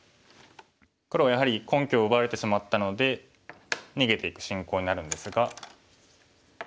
黒はやはり根拠を奪われてしまったので逃げていく進行になるんですが。